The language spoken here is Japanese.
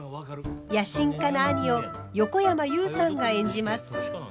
野心家な兄を横山裕さんが演じます。